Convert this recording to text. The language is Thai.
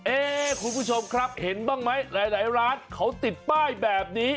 เอ๊คุณผู้ชมครับเห็นบ้างไหมหลายร้านเขาติดป้ายแบบนี้